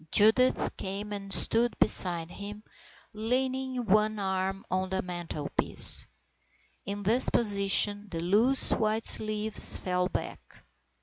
Judith came and stood beside him, leaning one arm on the mantelpiece. In this position the loose white sleeves fell back.